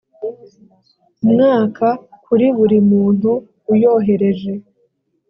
mwaka kuri buri muntu uyohereje